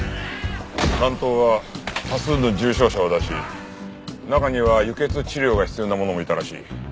乱闘は多数の重傷者を出し中には輸血治療が必要な者もいたらしい。